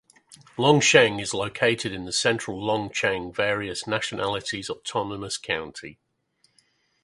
Longsheng is located in central Longsheng Various Nationalities Autonomous County.